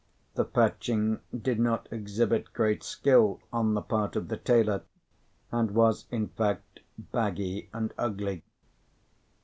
The patching did not exhibit great skill on the part of the tailor, and was, in fact, baggy and ugly.